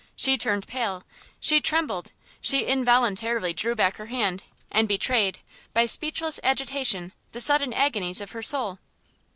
she turned pale, she trembled, she involuntarily drew back her hand, and betrayed, by speechless agitation, the sudden agonies of her soul!